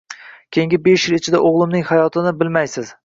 Keying besh yil ichida oʻgʻlimning hayotini bilmaysiz